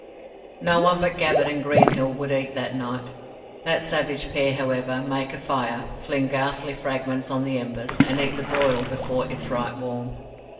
No one but Gabbett and Greenhill would eat that night. That savage pair, however, make a fire, fling ghastly fragments on the embers, and eat the broil before it is right warm.